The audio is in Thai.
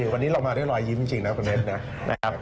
วันนี้เรามาด้วยรอยยิ้มจริงนะครับคุณเจ็บ